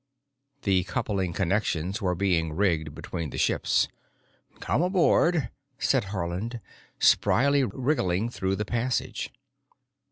The coupling connections were being rigged between the ships. "Come aboard," said Haarland, spryly wriggling through the passage.